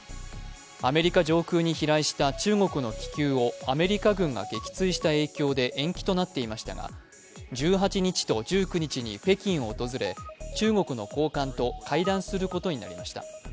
アメリカ上空に飛来した中国の気球をアメリカ軍が撃墜した影響で延期となっていましたが１８日と１９日に北京を訪れ、中国の高官と会談することになりました。